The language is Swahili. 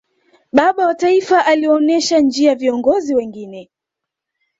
baba wa taifa aliwaonesha njia viongozi wengine